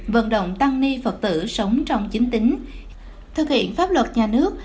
vận động tăng ni phật tử sống trong chính tính thực hiện pháp luật nhà nước